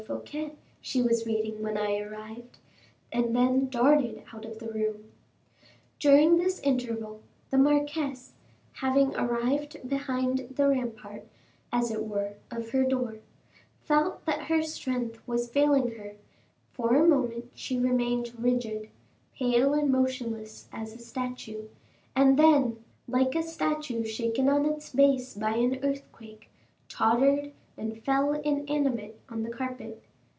Fouquet she was reading when I arrived," and then darted out of the room. During this interval, the marquise, having arrived behind the rampart, as it were, of her door, felt that her strength was failing her; for a moment she remained rigid, pale and motionless as a statue, and then, like a statue shaken on its base by an earthquake, tottered and fell inanimate on the carpet.